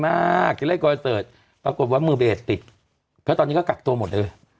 มากจะเล่นคอนเสิร์ตปรากฏว่ามือเบสติดเพราะตอนนี้ก็กักตัวหมดเลย